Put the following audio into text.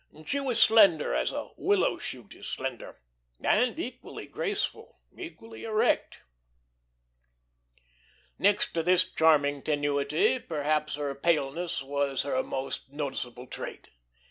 She was slender as a willow shoot is slender and equally graceful, equally erect. Next to this charming tenuity, perhaps her paleness was her most noticeable trait.